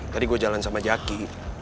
tadi gue jalan sama jaki